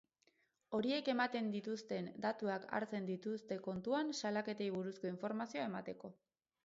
Horiek ematen dituzten datuak hartzen dituzte kontuan salaketei buruzko informazioa emateko.